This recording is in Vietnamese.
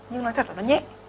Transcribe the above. nhưng nói thật là nó nhẹ